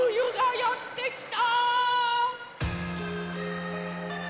「やってきた！」